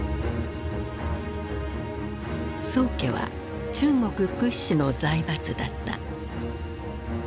宋家は中国屈指の財閥だった。